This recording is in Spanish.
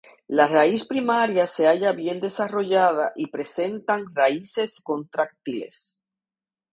La raíz primaria se halla bien desarrollada y presentan raíces contráctiles.